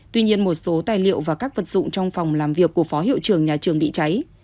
tuy nhiên một số tài liệu và các vật dụng trong phòng làm việc của phó hiệu trường nhà trường bị cháy